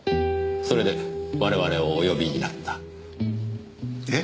それで我々をお呼びになった。え？